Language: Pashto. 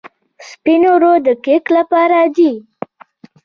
سپین اوړه د کیک لپاره دي.